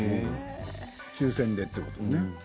抽せんでということね。